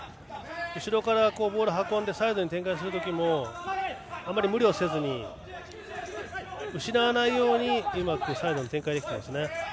後ろからボールを運んでサイドに展開するときもあまり無理をせずに失わないようにうまくサイドに展開できています。